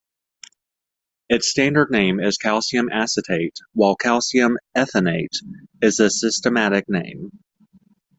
Its standard name is calcium acetate, while calcium ethanoate is the systematic name.